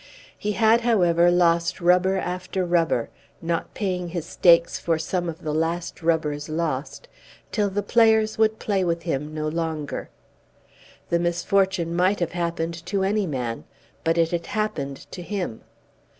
He had, however, lost rubber after rubber, not paying his stakes for some of the last rubbers lost, till the players would play with him no longer. The misfortune might have happened to any man; but it had happened to him.